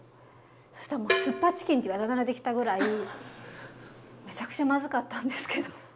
そしたらもう酢っぱチキンっていうあだ名ができたぐらいめちゃくちゃまずかったんですけど。